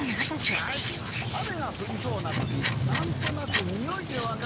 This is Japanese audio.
はい「あめがふりそうなときなんとなくにおいでわかる！」